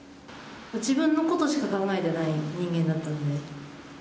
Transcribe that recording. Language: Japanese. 自分のことしか考えてない人間だったので。